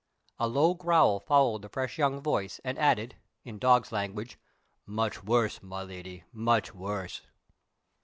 A low growl followed the fresh young voice, and added (in dog's language), "Much worse, my Lady much worse!"